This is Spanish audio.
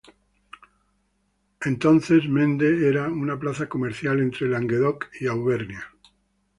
Entonces Mende era una plaza comercial entre Languedoc y Auvernia.